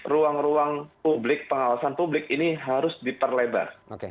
ruang ruang publik pengawasan publik ini harus diperlebar